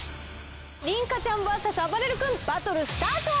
凜香ちゃんバーサスあばれる君バトルスタート！